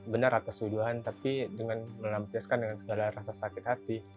benar atas tuduhan tapi dengan melampiaskan dengan segala rasa sakit hati